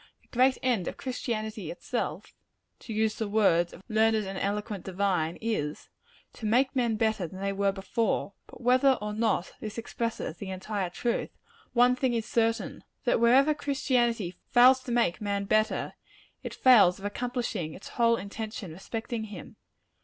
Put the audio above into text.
The great end of Christianity itself to use the words of a learned and eloquent divine is, to make men better than they were before: but whether or not this expresses the entire truth, one thing is certain that wherever Christianity fails to make man better, it fails of accomplishing its whole intention respecting him.